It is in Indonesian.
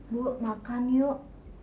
bu makan yuk